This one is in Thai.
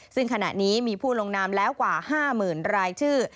ซึ่งขณะนี้มีผู้ลงนามแล้วกว่า๕๐๐๐รายชื่อ